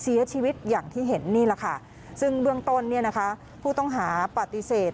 เสียชีวิตอย่างที่เห็นนี่แหละค่ะซึ่งเบื้องต้นเนี่ยนะคะผู้ต้องหาปฏิเสธ